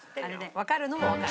わかるのもわかる。